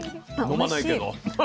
飲まないけど。